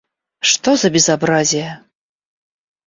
Что за безобразие!